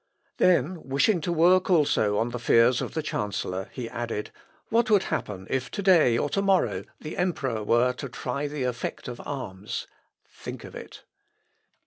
Then, wishing to work also on the fears of the chancellor, he added, "What would happen if to day or to morrow the Emperor were to try the effect of arms?... Think of it."